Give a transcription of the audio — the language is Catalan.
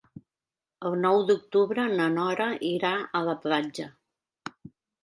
El nou d'octubre na Nora irà a la platja.